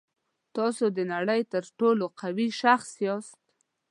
تاسو د نړۍ تر ټولو قوي شخص یاست.